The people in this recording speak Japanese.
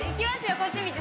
こっち見て。